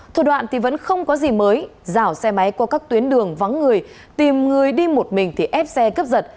thủ đoạn thì vẫn không có gì mới giảo xe máy qua các tuyến đường vắng người tìm người đi một mình thì ép xe cướp giật